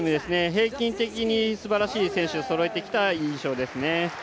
平均的にすばらしい選手をそろえてきた印象ですね。